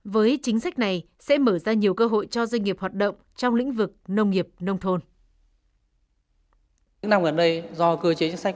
với chính sách này sẽ mở ra nhiều cơ hội cho doanh nghiệp hoạt động trong lĩnh vực nông nghiệp nông thôn